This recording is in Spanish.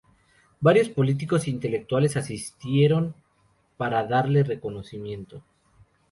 Varios políticos e intelectuales asistieron para darle reconocimiento.